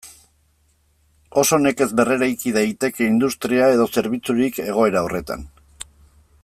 Oso nekez berreraiki daiteke industria edo zerbitzurik egoera horretan.